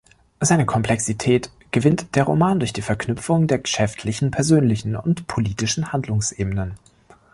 Seine Komplexität gewinnt der Roman durch die Verknüpfung der geschäftlichen, persönlichen und politischen Handlungsebenen.